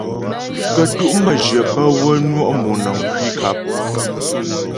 Kə́tu' məjyə bə́ wə́ nwɔ' mɔnəŋ kwi nkap.